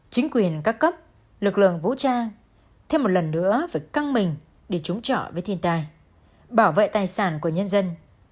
chính quyền các cấp lực lượng vũ trang thêm một lần nữa phải căng mình để trúng trọ với thiên tài bảo vệ tài sản của nhân dân